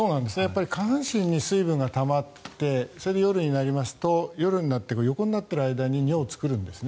下半身に水分がたまってそれで夜になりますと夜になって横になっている間に尿を作るんですね。